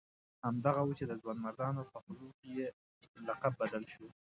همدغه وو چې د ځوانمردانو په خولو کې یې لقب بدل شو.